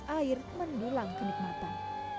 tas air menulang kenikmatan